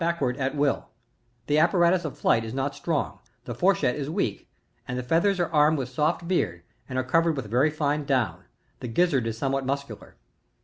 ^ backwards at will The apparatus (^ flight is not strong, the fourchette is weak, and the feathers are armed with soft beard, and are covered with a very fine down ; the gizzard is somewhat muscular.